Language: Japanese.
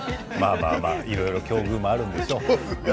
いろいろ境遇があるんでしょう。